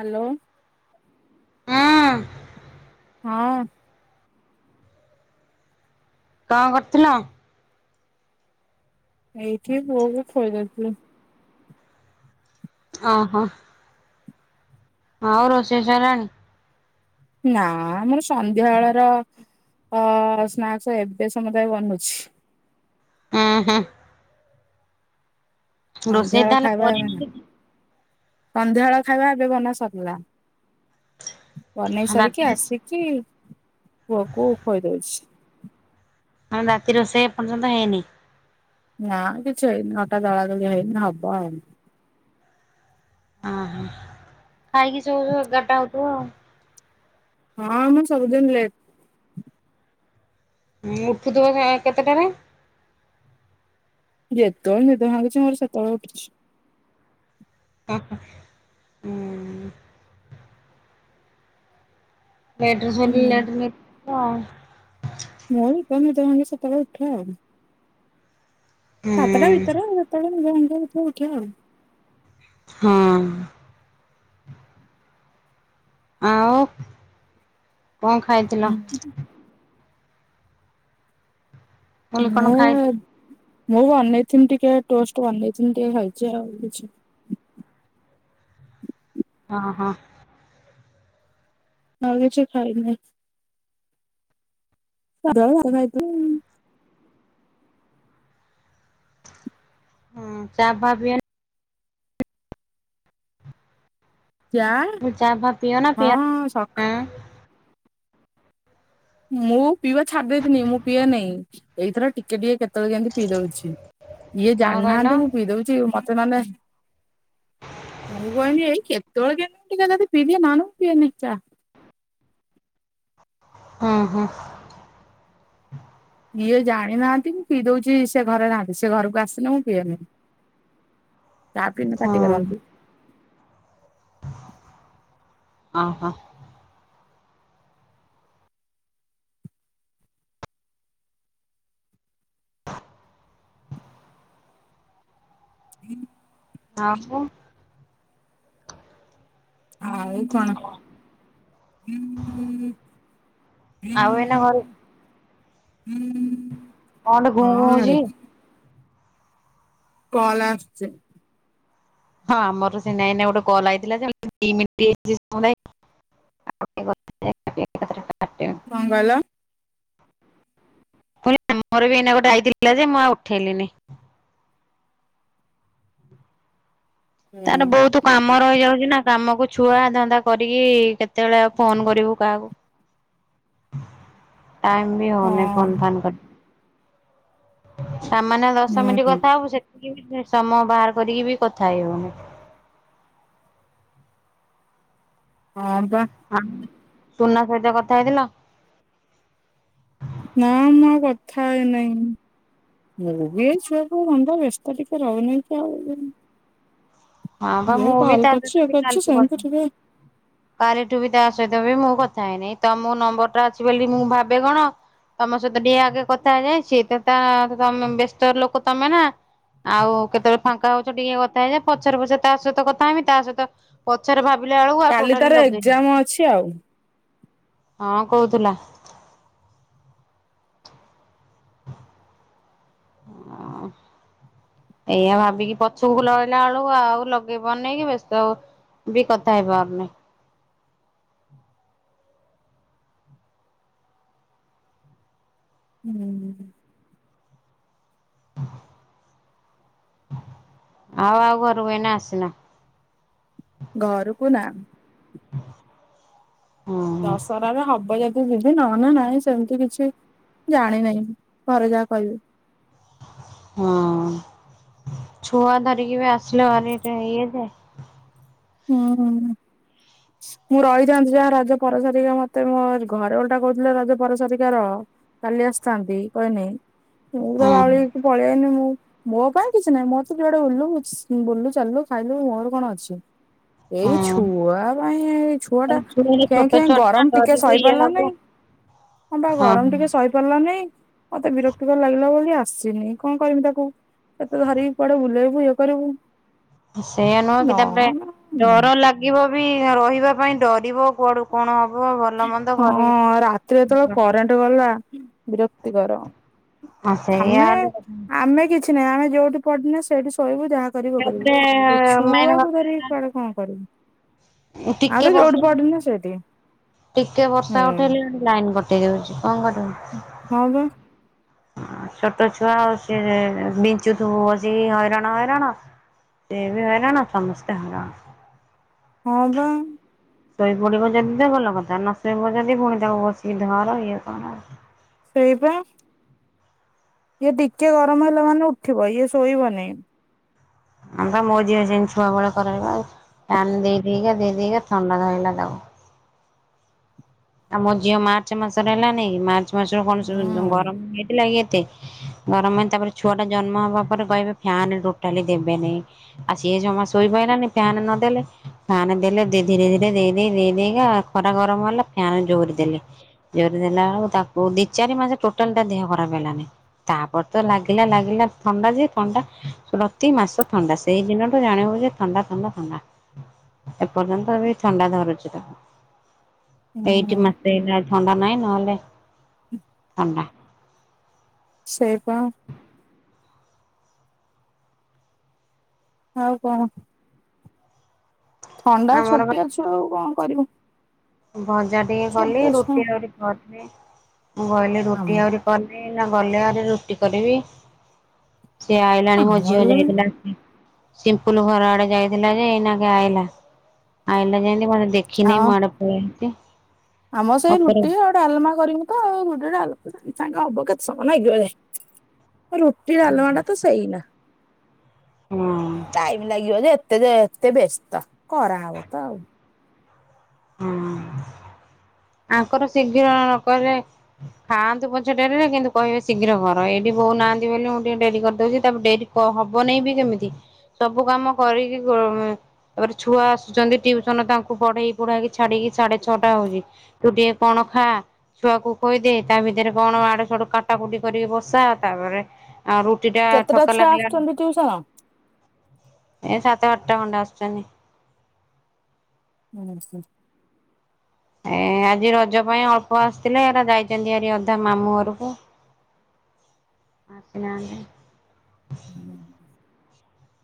Hello. [inaudible] ହଁ! [inaudible] ଏଇଠି ପୁଅ କୁ ଖୁଏଇ ଦଉ [inaudible] ଆଉ ରୋଷଇ ସଇଲାଣି? ନା ଆମର ସନ୍ଧ୍ୟା ଳ ର ସ୍ନାକ୍ସ୍‌ ଏବେ ସମୁଦା ବନୁଛି। [inaudible] ରୋଷେଇ ସନ୍ଧ୍ୟା ଳ ତାହେଲେ ଖାଇବା କରିନ ଏବେ କିଛି? ସନ୍ଧ୍ୟା ବେଳ ଖାଇବା ଏବେ ବନା ସର୍ଲା। ବନେଇ ସାରିକି ରାତିରେ ଆସିକି ପୁଅକୁ ଖୁଏଇ ଦଉଛି। ରାତି ରୋଷେଇ ଏର୍ଯ୍ୟନ୍ତ ହେଇନି। ନା କିଛି ହେଇନି, ଅଟା ଦଳା ଦଳି ହେଇନି ହବ ଆଉ। ଖାଇକି ଶୋଉ ଏଗାର୍ ଟା ହଉ--ବ ଆଉ। ହଁ, ମୁଁ ସବୁ ଦିନ୍‌ ଲେଟ୍। [inaudible] ଯେତବଳେ ନିଦ ଭାଙ୍ଗୁଚି ମୋର ସେତବଳେ ଉଠୁ। ଓ ହୋ ହୁଁ [inaudible] ମୋର ନିଦ ଭାଙ୍ଗେ ସେତ----ଳେ ଉଠେ ଆଉ। ହୁଁ [inaudible] ହଁ! ଆଉ ଙ୍କ ଖାଇଥିଲ? କହିଲି କଣ ମୁଁ, ଖାଇଥିଲ? ମୁଁ ବନେଇ ଟିକେ ଟୋଷ୍ଟ୍ ବନେଇ ଟିକେ ଖାଇଚି ଆଉ। ହଁ ହଁ। ଆଉ କିଛି ଖାଇବିନି। [unintelligible] ହୁଁ ଚା ଫା ପିୟା ଜା ଚା ଫା ପିଅ ନା ହଁ ପିଅ? ସଖ ଆଁ ମୁଁ ପିଇବା ଛାଡି ଦେବିନି ମୁଁ ପିଇବା ନେଇଁ ଏଇ ଥର ଟିକେ ଟିକେ କେ କେତବେଳେ କେମିତି ପିଇ ଦୋଉଛି ଇଏ କଣ କହିଲ? ଜାଣିନାହାନ୍ତି ମୁଁ ପିଇ ଦୋଉଛି ମତେ ନହେଲେ ମୁଁ କହିଲି ଏଇ କେତେବେଳେ କେମିତି ଟିକେ ପିଇ ନହେଲେ ମୁଁ ପିଏନି ଚା। ହଁ ହଁ। ଇଏ ଜାଣିନାହାନ୍ତି ମୁଁ ପିଇ ଦୋଉଚି ସେ ଘରେ ନାହାନ୍ତି ସେ ଘରକୁ ଆସିଲେ ମୁଁ ପିଏନି। ଚା ପିଲେ ପାଟି କରନ୍ତି। ଅହ। ହୁଁ ଆ ବୋ ଆଉ କଣ? ଆଉ ଏଇନା ଘରେ କଣ ଟେ ଘୁଁ ଘୁଁ ହଁ ହୋଉଚି? ଘରେ କଲ୍ ଆସୁଚି। ହଁ ଆମର ସେଇନା ଏଇନା ଗୋଟେ କଲ୍ ଆଇଥିଲା ଯେ ହେଲା ଦି ମିନିଟ୍ ହେଇଚି ସମୁଦାୟ ହେ କଟି ଗଲା। କଣ କହିଲ? ମୋର ବି ଏଇନା ଗୋଟେ ଆସିଥିଲା ଯେ ମୁଁ ଆଉ ଉଠେଇଲିନି। ତାର ହଁ ବୋହୁତୁ କାମ ରହିଯାଉଛି ନା କାମକୁ ଛୁଆ ଧନ୍ଦା କରିକି କେତେବେଳେ ଆଉ ଫୋନ୍ କରିବୁ କାହାକୁ। ଟାଇମ୍ ବି ହୋଉନି ଫୋନ୍ ଫାନ୍‌ କରି ସାମାନ୍ୟ ଦଶ ମିନିଟ ହୁଁ କଥା ହୋବୁ ସେତିକି ସମୟ ବାହାର କରିକି ବି କଥା ହେଇହବନି। ହଁ ପା। ହଁ ସୁନା ସହିତ କଥା ହେଇଥିଲ? ନା ମୁଁ କଥା ହେଇ ନାହିଁ। ମୁଁ ବି ଏଇ ଛୁଆ କୁ ରଧ ବ୍ୟସ୍ତ ଟିକେ ରହୁନାହି ତ ଆଉ। ହଁ ବା ଯିଏ ମୁଁ ବି କଲ୍ ତା ସହିତ କରିଛି ଇଏ ବି କରିଛି କାଲିଠୁ କଥା ସେମିତି ଥିବ ଆଉ। କାଲିଠୁ ବି ତା ସହିତ ବି ମୁଁ କଥା ହେଇନିଁ ତମୋ ନମ୍ବର ଟା ଅଛି ବୋଲି ମୁଁ ଭାବେ କଣ ତମ ସହିତ ଟିକେ ଆଗେ କଥା ଯାଇଛି ତ ତମେ ବ୍ୟସ୍ତ ଲୋକ ତମେ ନା। ଆଉ କେତେବେଳେ ଫାଙ୍କା ହୋଉଛ ଟିକେ କଥା ହେଇଯାଏ ପଛରେ ପଛରେ ତା ସହିତ କଥା ହେବି ତା ସହିତ ପଛରେ ଭାବିଲା ବେଳକୁ ଆଉ ଟୋ କାଲି ତାର ଏକ୍ଜାମ ଅଛି ଆଉ। କଣ କହୁଥିଲା? ଅଁ। ଏଇଆ ଭାବିକି ପଛକୁ ଲଳେଇଲା ବେଳକୁ ଆଉ ଲଗେଇ ପାରୁନି କି ବସ୍ତ ଉ ବି କଥା ହେଇପାରୁନି। ହୁଁ ହ ଆଉ ଆଉ ଘରୁ କୁ ଏଇନା ଆସିନ? ଘରକୁ ନା। ହୁଁ ଦଶ ବାବା ହବ ଯଦି ଯିବି ନ ହେଲେ ନାଇଁ ସେମିତି କିଛି ଜାଣିିନାହିଁ ଘରେ ଯାହା କହିବେ। ହଁ ଛୁଆ ଧରିକି ବି ଆସିଲେ ଭାରି ଇଏ ଯେ। ହୁଁ। ହ ହଁ ମୁଁ ରହିଥାନ୍ତି ଯାହା ରଜ ପରସାରିକା ମତେ ମୋ ଘରେ ଗୋଟେ କହୁଥିଲେ ରଜ ପରସାରିକା ରହ। କାଲି ଆସିଥାନ୍ତି କହନି ମୁଁ ତ ବାଉଳି ହୁଁ ହେଇକି ପଳେଇନି ମୁଁ। ମୋ ପାଇଁ କିଛି ନାହିଁ ମତେ ଯୁଆଡେ ବୁଲୁ ବୁଲୁ ଚାଲିଲୁ ଖାଇଲୁ ମୋର କଣ ଅଛି। ଏଇ ହଁ ଛୁଆ ପାଇଁ ଛୁଆ ଟା ଛୁଆଗୁରା କେଁ ଛୋଟ କେଁ ଛୁଆ ନା ଗରମ ଟିକେ ଡରିବେ ସହି ଇଏ ପାରିଲା ହବ। ନାଇଁ। ହଁ ବା ଗରମ ଟିକେ ହଁ ଶହ ପାରିଲାନାଇ ମତେ ବିରକ୍ତି ଭର ଲାଗିଲା ବୋଲି ଆସିନି କଣ କରମି ତାକୁ ଏତେ ଧରିକି ପଆଡେ ବୁଲେଇବୁ ଇଏ କରିବୁ ସେଇୟା ନୁହଁ କି ନା ତାପରେ ନା ଡର ଲାଗିବ ବି ରହିବା ପାଇଁ ଡରିବ କୁଆଡୁ କଣ ହବ ଭଲ ମନ୍ଦ ଘରେ ହଁ ରାତିରେ ଯେତେବେଳେ କରେଣ୍ଟ ଗଲା ବିରକ୍ତି କରର ହଁ ସେଇଆ ଆମେ ହେଲେ ଆମେ କିଛି କିଛି ନହିଁ ଆମେ ଯୋଉଠି ପଡିନ ସେଇଠି ଶୋଇବୁ ଯାହା କରିବୁ କରିବୁ ତାପରେ ଏଇ ମେନ୍ ଛୁଆକୁ କଥା ଧରି ହେଲା କୁଆଡେ କଣ କରିବି ଆଉ ତ ଟିକେ ଯୋଉଠି ବର୍ଷା ପଡିନି ନା ସେଇଠି ଟିକେ ବର୍ଷା ହୁଁ ଉଠେଇଲି ଆଣି ଲାଇନ କଟେଇ ଦଉଛି କଣ କରିବ। ହଉ। ଛୋଟ ଛୁଆ ଆଉ ସ ବିଞ୍ଚୁଥିବୁ ଅଛି ହଇରାଣ ହଇରାଣ ସେବେ ହଲା ନା ସମସ୍ତେ ହେଲାଣ ହଁ ବା। ଶୋଇ ପୁଡିବ ଯଦି ତ ଗଲ କଥା ନ ଶୋଇବ ଯଦି ପୁଣି ତାକୁ ବସିକି ଧର ଇଏ କଣଉ ସେଇବା ଇଏ ଟିକେ ଗରମ ହେଲା ମାନେ ଉଠିବ ଇଏ ଶୋଇବନି। ଆମ ତ ମୋ ଝିଅ ସେମିତି ଛୁଆବେେଳେ କରବା ଆଉ ପ୍ୟାନ ଦେଇେଇକ ଦେଇ ଦେଇେଇକା ଥଣ୍ଡା ଧରଲା ତାକୁ ଆଉ ମୋ ଝିଅ ମାର୍ଚ୍ଚ ମାସରେ ହେଲାାନି ମାର୍ଚ୍ଚ ମାସରୁ କଣ ସବୁ ହୁଁ ଗରମ ହେଇଥିଲା କିି ଏତେ ଗରମ ତାପରେ ଛୁଆ ଟା ଜନ୍ମ ହବା ପରେ କହିବେ ଫ୍ୟାନ ଟୋଟାଲି ଦେବେନି। ଆଉ ସେ ଜମା ଶୋଇବନାାନ ଫ୍ୟାନ ନଦେଲେ ଫାନ ଦେଲେ ଧୀରେ ଧୀରେ ଦେଇ ଦେଇେଇ ଦେଇ ଦେଇକ ଖରା ଗରମ ହେଲା ଫାନ ଜୋରିଦଲେ ଜୋର ଦେଲା ବେଳକୁ ତାକୁ ଦି ଚାରି ମାସ ଟୋଟାଲ ଟା ଦେହ ଖରାପ ହେଲାନି। ତାପରେ ତ ଲାଗିଲା ଲାଗିଲା ଥଣ୍ଡା ଯେ ଥଣ୍ଡା ପ୍ରତି ମାସ ଥଣ୍ଡା ସେଇ ଦିନଠୁ ଜାଣିବୁ ଯେ ଥଣ୍ଡା ଥଣ୍ଡା ଥଣ୍ଡା ଏପର୍ଯ୍ୟନ୍ତ ଏ ଥଣ୍ଡା ଧରୁଛି ତାକୁ ଏଇଠି ହୁଁ ମସଲା ଥଣ୍ଡା ନାଇଁ ନହେଲେ ହୁଁ। ଧବା ସେଇବା ହଉ କଣ? ଥଣ୍ଡା ଆମର ବା ଛୋଟିଆଛୁ ଆଉ କଣ କରିବୁ ଭଜା ଟିକେ କଲି ଛୋଟ ଛୁଆ ରୁଟି ଆହୁରି କରିି ମୁ କହିଲି ଆମ ରୁଟି ଆହୁରି। ଗଲେ ନା ଗଲେ ଆରେ ରୁଟି କରିବି। ସେଆଇ ଲଣି ମୋଜି ଆମର ହଯାଇ ତ ଲ ସିମ୍ପଲ ଘର ଆଡେ ଯାଇଥିଲା ଯେ ଏଇନାଗ ଆଇଲା ଆଇଲା ଯେମତି ମତେ ଆ ଦେଖିନି ମାଡ ହ ଏତି ଆମ ସେଇ ରୁଟି ଆ ଗୋଟେ ଆଲମା କରିବୁ ତ ଆଉ ରୁଟିଟଲ ସାଙ୍ଗେ ହବ କେତେ ସମୟ ଲାଗିବା। ରୋଟି ଲଆା ତ ସହି ନା ହଁ। ଟାଇମ ଲାଗିବ ଯେ ଏତେ ଯେ ଏତେ ବସ୍ତ କରାହବ ତ ଆଉ ହୁଁ ଆଙ୍କର ଶୀଘି୍ର ନକଲେ ଖାଆନ୍ତୁ ପଛ ଡେରିରେ କିନ୍ତୁ କହିବେ ଶୀଘ୍ର ଘର ଏଇଠି ବୋଉ ନାହାନ୍ତି ବୋଲି ମୁଁ ଟିକେ ଡେରି କରିଦେଉଛି ତା ଡେରି କ ହବନାଇଁ ବି କେମିତି ସବୁ କାମ କରିକି ତାପରେ ଛୁଆ ଆସୁଛନ୍ତି ଟିଉସନ ତାଙ୍କୁ ପଢେଇ ୁଡାକି ଛାଡିକି ସାଢେ ଛଅଟା ହଉଛି ତୁ ଟିକେ କଣ ଖା ଛୁଆକୁ ଖ କହିଦେଇ ତା ଭିତରେ କଣ ଆଡୁ ସଡୁ କାଟା କଟି କରିକି ବସା ତାପରେ ଆଉ ରୁଟି ଟା କେତେଟା ଥକା ଛୁଆ ଲାଗିଲା। ଆସୁଛନ୍ତି ଟିଉସନ? ଏ ସାତ ଆଠଟା ଖଣ୍ଡେ ଆସୁଛନ୍ତି। ହ [unintelligible] ଏ ଆଜି ରଜ ପାଇଁ ଅଳ୍ପ ଆସିଥିଲେ ଏ ଯାଇଛନ୍ତି ଆାର ଅଧା ମାମୁଁ ଘରକୁ ଆସି ନାନ୍ତି।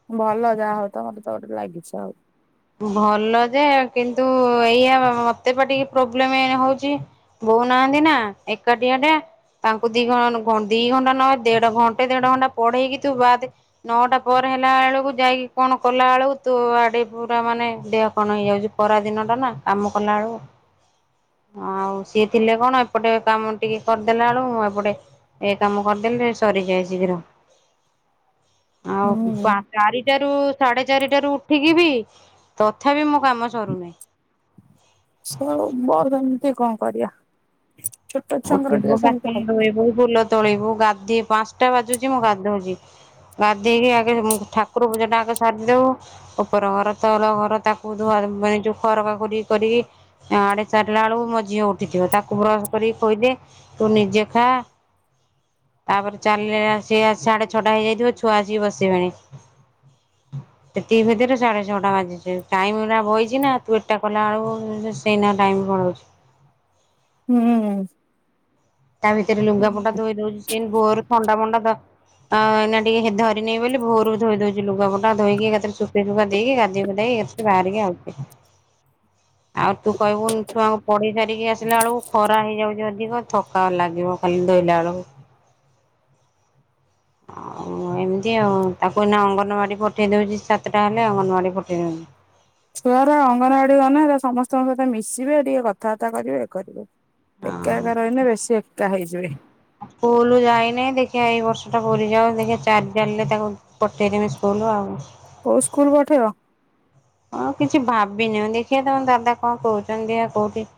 ହୁଁ ଭଲ ଯାହା ହଉ ତ ମତେ ତ ଗୋଟେ ଲାଗିଛ ଆଉ ଭଲ ଯେ କିନ୍ତୁ ଏଇଆ ମତେ ବା ଟିକେ ପ୍ରୋବ୍ଲେମ ହଉଛି ବୋଉନାହାନ୍ତି ନା ଏକାଠଆ ଟେ ତାଙ୍କୁ ଦି ଦି ଘଣ୍ଟା ନହ ଦେଢ ଘଣ୍ଟେ ଦେଢ ଘଣ୍ଟା ପଢେଇକି ତୁ ବାଦ ନଅଟା ପରେ ହେଲା ବେଳକୁ ଯାଇକି କଣ କଲା ବେଳକୁ ତୁ ଆଡେ ପୁରା ମାନେ ଦେହ କଣ ହେଇଯାଉଛି ପରା ଦିନ ଟା ନା କାମ କଲା ବେଳକୁ ଆଉ ସିଏ ଥିଲେ କଣ ଏପଟେ କାମ ଟିକେ କରିଦେଲା ବେଳୁ ମୁଁ ଏପଟେ ଏଇ କାମ କରିଦେଲେ ସରିଯାଏ ଶୀଘ୍ର ହୁଁ। ଆଉ ଚାରିଜାରୁ ସାଢେ ଚାରିଟାରୁ ଉଠିକି ବି ତଥାପି ମୁଁ କାମ ସରୁନାହିଁ ସ ସେମିତି କଣ କରିବା ଛୋଟ ଛୁଆଙ୍କର ଉଠିବୁ ଟିକେ ବାସନ ସେମିତି ହବ କ ଧୋଇବୁ ଫୁଲ ତୋଳିବୁ ଗାଧୋଇ ପାଞ୍ଚଟା ବାଜୁଛି ମୁଁ ଗାଧଉଛି ଗାଧେଇକି ଆଗେ ଠାକୁର ପୂଜା ଟା ଆଗେ ସରିଦଉ ଉପର ଘର ତଲ ଘର ତାକୁ ଧଆ ମାନେୋଖର କା କର କରିକି ଆଡେ ସାରିଲା ବେଳକୁ ମଝିଅ ଉଠିଥିବ ତାକୁ ବ୍ରସ୍ କରି କହିୋଇଦ ତୁ ନିଜେ ଖା ତାପରେ ଚାଲିଲେ ଆ ସ ସାଢେ ଛଅଟା ହେଇଯାଇଥିବ ଛୁଆ ଆସିକି ବସିବେଣି ହୁଁ [unintelligible] ସେତିକି ଭିତରେ ସାଢେ ଛଅଟା ବାଜିଛେ ଟାଇମ ଟା ବହିଛି ନା ତୁ ଏଟଟା କଲା ବେଳ ସେନ ଟାଇମ୍ ପଢ଼ଉଛି ହୁଁ ତା ଭିତରେ ଲୁଙ୍ଗା ପୁଣ୍ଡା ଦୁଇ ଦଉ ସେ ବୋ ଥଣ୍ଡା ମୋଣ୍ଡା ଦ ଆ ଏଇନା ଟିକେ ଧରିନି ବୋଲି ଭୋରୁ ଧୋଇ ଦଉଛି ଲୁଗା ଫୁା ଧୋଇକିତରେ ସୁୁଖ ସୁୁଖା ଦେଇକି ଗାଧୋଇୁଧେଇ ବାହାରିକି ଆଉଛି ଆଉ ତୁ କହିବୁ ଛୁଆଙ୍କୁ ପଢେଇ ସାରିକି ଆସିଲା ବେଳକୁ ଖରା ହେଇଯାଉଛି ଅଧିକ ଥକା ଲାଗିବ ଖାଲି ଧୋଇଲା ବେଳକୁ ଆଉ ଏମିତି ଆଉ ତାକୁ ଏଇନା ଅଙ୍ଗନବାଡ଼ି ପଠେଇ ଦେଉଛି ସାତଟା ହେଲେ ଅଙ୍ଗନବାଡ଼ି ପଠେଇ ଦଉନ ଛୁଆ ର ଅଙ୍ଗନବାଡି ଗନ ହେଲେ ସମସ୍ତଙ୍କ ସହିତ ମିଶିବେ ଟିକେ କଥାବାର୍ତ୍ତା କରିବେ କରିବେ ହଁ ଏକାକାର ହେନ ବେଶୀ ଏକା ହେଇଯିବେ ସ୍କୁୁଲ ଯାଇନାଇଁ ଦେଖିବା ଏଇ ବର୍ଷ ଟା ପରିଯାଉ ଦେଖିବା ଚାରି ଜାଣିଲେ ତାକୁ ପଠେଇଦମି ସ୍କୁଲ ଆଉ କୋଉ ସ୍କୁଲ ପଠେଇଅ ହଁ କିଛି ଭାବିନି ଦେଖିବା ତମ ଦାଦା କଣ କହୁଛନ୍ତି ଆ କୋଉଠି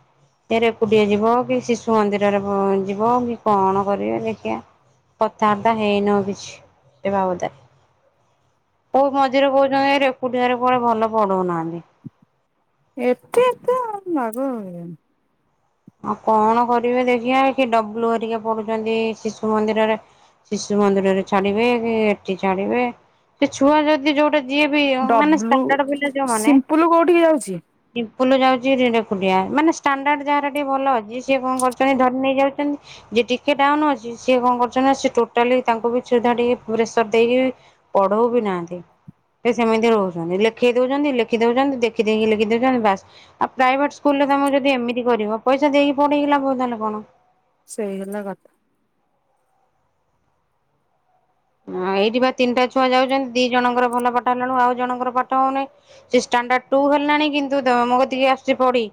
ଏରେକୁଟିଏ ଯିବ କି ଶିଶୁ ମନ୍ଦିରରେ ଯିବ କି କଣ କରିବ ଦେଖିବା ପଥରଦ ହେନ ବିଭଧ କୋଉ ମଝିରେ କହୁଛନ୍ତିଟିରେ ପଢ ଭଲ ପଢଉନାହାନ୍ତି ଏତେ ଏତେ ଲାଗ ଆଉ କଣ କରିବେ ଦେଖିବା କି ଡବଲୁ ହରିକା ପଡୁଛନ୍ତି ଶିଶୁ ମନ୍ଦିରରେ ଶିଶୁ ମନ୍ଦିରରେ ଛାଡିବେ କି ଏଠି ଛାଡିବେ ସେ ଛୁଆ ଯଦି ଯୋଉଟା ଯିଏ ବି ମାନେ ଡବ୍ଲୁ ମନେ ସିମ୍ପୁଲ କୋଉଠିକି ଯାଉଛି ପିମ୍ପୁଲ ଯାଉଛି ଫୁ ମାନେ ାଣ୍ଡ ଯାହାର ଟିକେ ଭଲ ଅଛି ସିଏ କଣ କରୁଛନ୍ତି ଧରି ନେଇ ଯାଉଛନ୍ତି ଯିଏ ଟିକେ ଡାଉନ ଅଛି ସିଏ କଣ କରୁଛନ୍ତି ସେ ଟୋଟାଲି ତାଙ୍କୁ ବି ସୁଧା ଟିକେ ପ୍ରେସର ଦେଇକି ପଢଉ ବି ନାହାନ୍ତି ସେ ସେମିତି ରହୁଛନ୍ତି ଲେଖେଇ ଦଉଛନ୍ତି ଲେଖି ଦଉଛନ୍ତି ଦେଖିଦକି ଲେଖି ଦଉଛନ୍ତି ବାସ୍ ଆଉ ପ୍ରାଇଭେଟ ସ୍କୁଲ ରେ ତମକୁ ଯଦି ଏମିତି କରିବ ପଇସା ଦେଇକି ପଢେଇକି ଲାଗବ ତାହେଲେ କଣ ସେଇ ହେଲା କଥା ହଁ ଏଇଠି ବା ତିନିଟା ଛୁଆ ଯାଉଛନ୍ତି ଦି ଜଣଙ୍କର ଭଲ ପାଠ ହେଲାଣିୁ ଆଉ ଜଣଙ୍କର ପାଠ ହଉନି ସେ ାଣ୍ଡ ଟୁ ହେଲାଣି କିନ୍ତୁ ମୁଁ କତିକି ଆସୁଛି ପଢି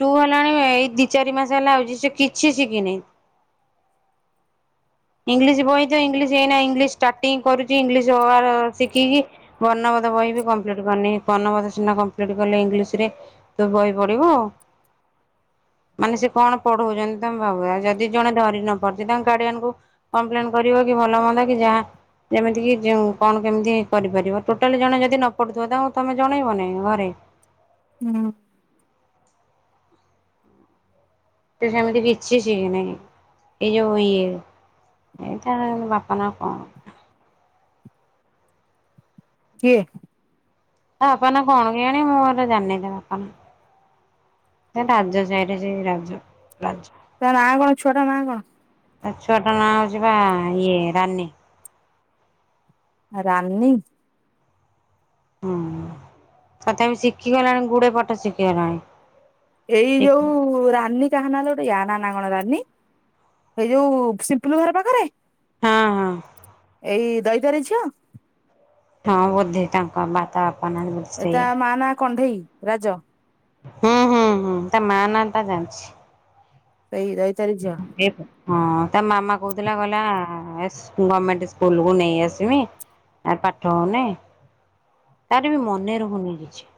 ତୁ ହେଲାଣି ଏଇ ଦି ଚାରି ମାସ ହେଲା ହଉଛି ସେ କିଛି ଶିଖିିନହିଁ ଇଂଲିଶ ବହି ତ ଇଂଲିଶ ହେଇନା ଇଂଲିଶ ଷ୍ଟାର୍ଟିଂ କରୁଛି ଇଂଲିଶ ଶିଖିକି ବର୍ଣ୍ଣବଦ ବହି ବି କମ୍ପ୍ଲିଟ୍ କରିନି ବ୍ଣ୍ଣବଧ ସିହନା କମ୍ପ୍ଲିଟ କଲେ ଇଂଲିଶ ରେ ତୁ ବହି ପଡିବ ମାନେ ସେ କଣ ପଢଉଛନ୍ତି ତମେ ଭାବୁ ଯଦି ଜଣେ ଧରି ନ ପାରୁଛନ୍ତି ତାଙ୍କ କାଡିଆାନ କଙ୍କୁ କମ୍ପ୍ଲେନ କରିବ କି ଭଲ ମନ୍ଦା କି ଯାହା ଯେମିତିକି କଣ କେମିତି କରିପାରିବ ଟୋଟାଲି ଜଣେ ଯଦି ନ ପଡ଼ୁଥିବ ତାଙ୍କୁ ତୁମେ ଜଣେଇବ ନାହିଁ ଘରେ ହୁଁ ତ ସେମିତି ବି ଇଛଛି କି ନହିଁ ଏଇ ଯଉ ଇଏ ଏଇଟା ବାପଣ କଣ କିଏ ବାପା ନା କଣ କି ଆଣଣି ମୁଁୋ ଜାେଇଦବ ବାପା ନା ରାଜ୍ୟ ଚାଇଟ ସେ ରାଜ୍ୟ ରାଜ୍ୟ ତା ନା କଣ ଛୁଆଟା ନାଁ କଣ ଆ ଛୁଆଟା ନାଁ ହଉଛି ବା ଇଏ ରାନୀ ରାନୀ ହୁଁ ତଥାପି ଶିଖିଗଲାଣି ଗୁଡେ ପାଠ ଶିଖିଗଲାଣି ଏଇ ଯୋଉ ରାନୀ ଯାହା ନା ଗୋଟେ ୟା ନା ନାାଗଣ ରାନୀ ଏଇ ଯୋଉ ସିମ୍ପଲୁ ଘର ପାଖରେ ହଁ ହଁ ଏଇ ଦଇତାରେ ଝିଅ ହଁ ବୋଧେ କଙ୍କ ବାତାପଣ ଏଟ ମା ନାଁ କଣ୍ଢେଇ ରାଜ ହୁଁ ହୁଁ ହୁଁ ତା ମା ନା ଟା ଜାଣିଛି ସେଇ ଦହ ତାରିଖ ଯଝଅ ହଁ ତା ମାମା କହୁଥିଲା କହିଲ ଗଭର୍ମେଣ୍ଟ ସ୍କୁଲ କୁ ନେଇ ଆସିବି ଆ ପାଠ ହଉନି ତାର ବି ମନେ ରହୁନି କିଛି